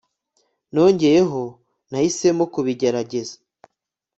Nongeyeho nahisemo kubigerageza